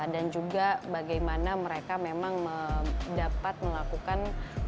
dan juga bagaimana mereka memang dapat melakukan